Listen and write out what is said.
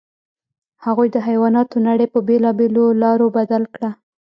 هغوی د حیواناتو نړۍ په بېلابېلو لارو بدل کړه.